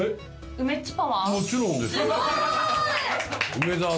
梅っちパワー？